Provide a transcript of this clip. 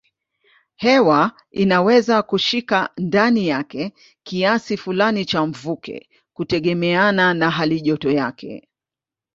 Hewa inaweza kushika ndani yake kiasi fulani cha mvuke kutegemeana na halijoto yake.